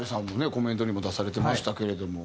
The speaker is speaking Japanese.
コメントにも出されてましたけれども。